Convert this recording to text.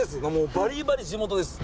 バリバリ地元です。